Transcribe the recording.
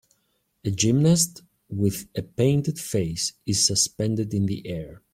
A gymnast with a painted face is suspended in the air.